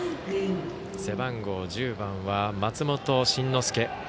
背番号１０番は松本慎之介。